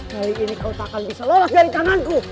dari ini kau tak akan bisa lolos dari tanganku